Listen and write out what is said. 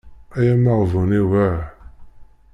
Ay ameɣbun-iw ah.